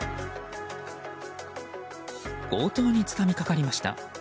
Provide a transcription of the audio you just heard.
強盗につかみかかりました。